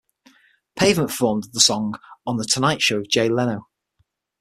Pavement performed the song on "The Tonight Show with Jay Leno".